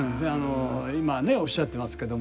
今ねおっしゃってますけども。